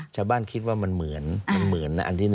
ชาวบ้านคิดว่ามันเหมือน